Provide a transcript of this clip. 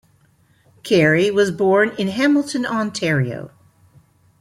Carrie was born in Hamilton, Ontario.